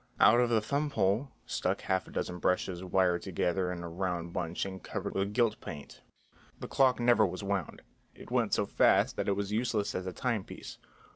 Out of the thumb hole stuck half a dozen brushes wired together in a round bunch and covered with gilt paint. The clock never was wound. It went so fast that it was useless as a timepiece.